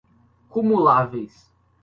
cumuláveis